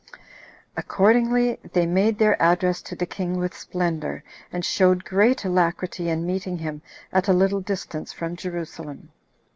Accordingly, they made their address to the king with splendor, and showed great alacrity in meeting him at a little distance from Jerusalem.